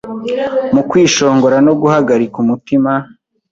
Mu kwishongora no guhagarika umutima